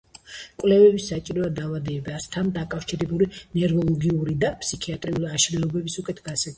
კვლევები საჭიროა დაავადებასთან დაკავშირებული ნევროლოგიური და ფსიქიატრიული აშლილობების უკეთ გასაგებად.